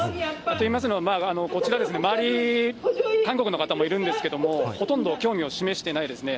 といいますのは、こちら、周り、韓国の方もいるんですけれども、ほとんど興味を示していないですね。